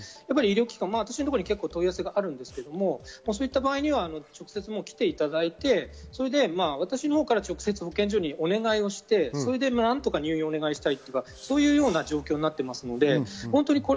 私のところにも問い合わせ結構あるんですが、そういった場合、直接来ていただいて私の方から直接、保健所にお願いして何とか入院をお願いしたいといったそういった状況になってます。